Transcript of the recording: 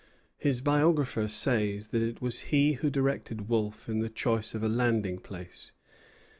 His biographer says that it was he who directed Wolfe in the choice of a landing place.